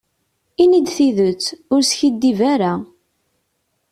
Ini-d tidet, ur skiddib ara.